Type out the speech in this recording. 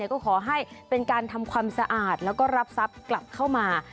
ก็ขอให้เป็นการทำความสะอาดแล้วก็รับทรัพย์กลับเข้ามา